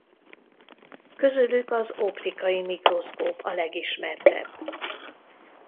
Közülük az optikai mikroszkóp a legismertebb.